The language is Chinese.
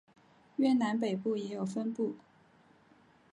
越南北部也有分布。